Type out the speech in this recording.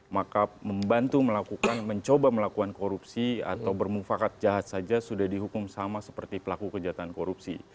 maka membantu melakukan mencoba melakukan korupsi atau bermufakat jahat saja sudah dihukum sama seperti pelaku kejahatan korupsi